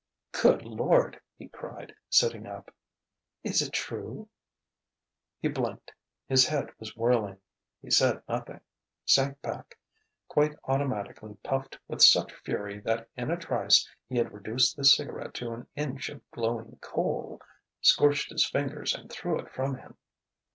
"Good lord!" he cried, sitting up. "Is it true?" He blinked. His head was whirling. He said nothing; sank back; quite automatically puffed with such fury that in a trice he had reduced the cigarette to an inch of glowing coal; scorched his fingers and threw it from him.